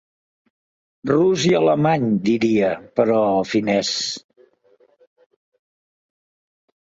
Rus i alemany, diria, però finès...